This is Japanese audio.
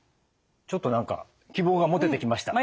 ちょっと何か希望が持ててきました。